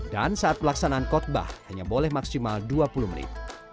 dan saat pelaksanaan kotbah hanya boleh maksimal dua puluh menit